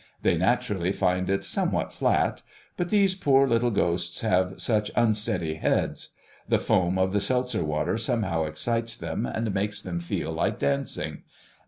They naturally find it somewhat flat. But these poor little ghosts have such unsteady heads! The foam of the seltzer water somehow excites them and makes them feel like dancing.